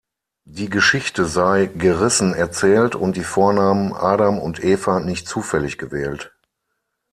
Die Geschichte sei „gerissen“ erzählt und die Vornamen "Adam" und "Eva" nicht zufällig gewählt.